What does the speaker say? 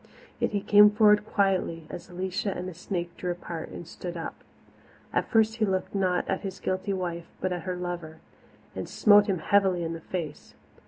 Yet he came forward quietly as Alicia and the snake drew apart and stood up. At first he looked not at his guilty wife but at her lover, and smote him heavily in the face.